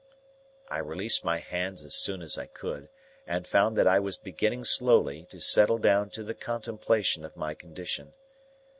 I released my hands as soon as I could, and found that I was beginning slowly to settle down to the contemplation of my condition.